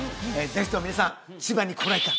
ぜひとも皆さんやった！